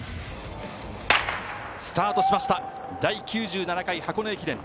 スタートしました、第９７回箱根駅伝。